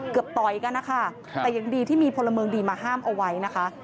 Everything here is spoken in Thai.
ต่อยกันนะคะแต่ยังดีที่มีพลเมืองดีมาห้ามเอาไว้นะคะ